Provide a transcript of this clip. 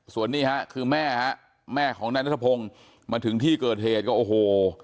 ส่วนนี้ฮะคือแม่ฮะแม่ของนายนัทพงศ์มาถึงที่เกิดเหตุก็โอ้โห